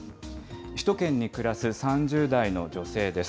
首都圏に暮らす３０代の女性です。